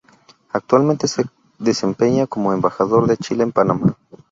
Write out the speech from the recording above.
Actualmente se desempeña como Embajador de Chile en Panamá.